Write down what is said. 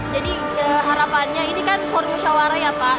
jadi harapannya ini kan permusyawara ya pak